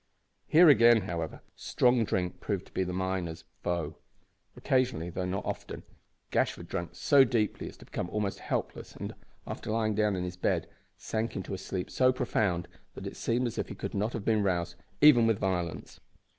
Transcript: Here again, however, strong drink proved to be the big miner's foe. Occasionally, though not often, Gashford drank so deeply as to become almost helpless, and, after lying down in his bed, sank into a sleep so profound that it seemed as if he could not have been roused even with violence.